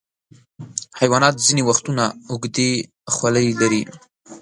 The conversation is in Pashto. حیوانات ځینې وختونه اوږدې خولۍ لري.